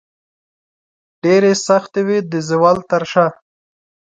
ډیرې سختې وې د زوال تر شاه